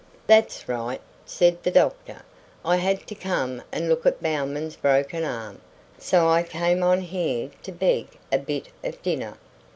"That's right," said the doctor. "I had to come and look at Bowman's broken arm, so I came on here to beg a bit of dinner."